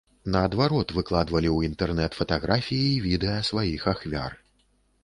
Наадварот, выкладвалі ў інтэрнэт фатаграфіі і відэа сваіх ахвяр.